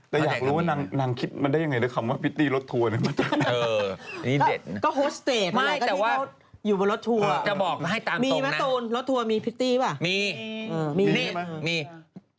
แต่อยากรู้ว่านางคิดมันได้ยังไงด้วยคำว่าพิตตี้รถทัวร์เนี่ย